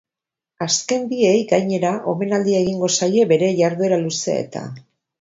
Azken biei, gainera, omenaldia egingo zaie bere jarduera luzea eta.